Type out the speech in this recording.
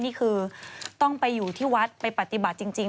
นี่คือต้องไปอยู่ที่วัดไปปฏิบัติจริง